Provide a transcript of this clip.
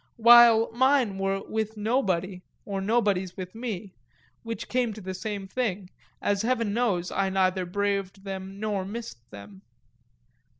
while mine were with nobody, or nobody's with me, which came to the same thing, as heaven knows I neither braved them nor missed them.